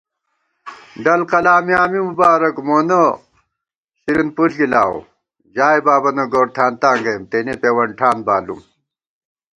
ڈل قلا میاں می مبارَک مونہ شرین پُݪ گِلاؤ * ژائےبابَنہ گورتھانتاں گَئیم تېنےپېوَن ٹھان دامُوم